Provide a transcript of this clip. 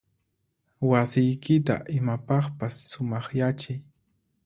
Wasiykita imapaqpas sumaqyachiy.